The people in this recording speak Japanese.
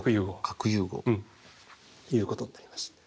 核融合。ということになります。